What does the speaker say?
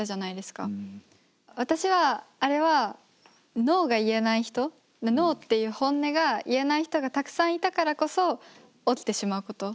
私はあれはノーが言えない人ノーっていう本音が言えない人がたくさんいたからこそ起きてしまうことだと思うんです。